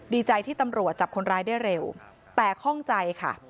ดีใจที่ตำรวจจับคนร้ายได้เร็วแต่ข้องใจค่ะ